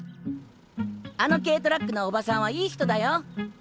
あの軽トラックのおばさんはいい人だよ。